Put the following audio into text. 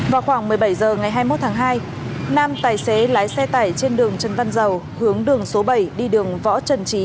vào khoảng một mươi bảy h ngày hai mươi một tháng hai nam tài xế lái xe tải trên đường trần văn dầu hướng đường số bảy đi đường võ trần trí